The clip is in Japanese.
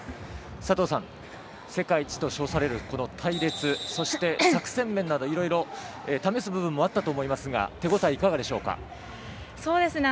佐藤さん、世界一と称される隊列、そして作戦面などいろいろ試す部分もあったと思いますが手応え、いかがでしょうか。